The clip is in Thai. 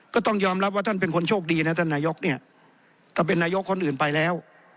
ก็ต้องยอมรับว่าท่านเป็นคนโชคดีนะท่านนายกเนี่ยถ้าเป็นนายกคนอื่นไปแล้ว